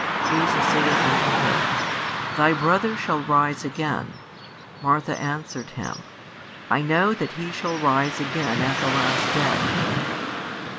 Jesus saith unto her, Thy brother shall rise again. Martha answered Him, 1 know that he shall rise again at the last day.